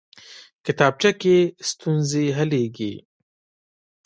کتابچه کې ستونزې حلېږي